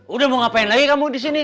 udah mau ngapain lagi kamu disini